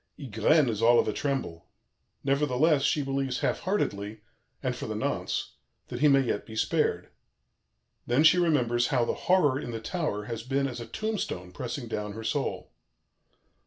Ygraine is all of a tremble; nevertheless, she believes half heartedly and for the nonce that he may yet be spared; then she remembers how the Horror in the tower has been as a tombstone pressing down her soul.